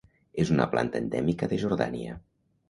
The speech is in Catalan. És una planta endèmica de Jordània.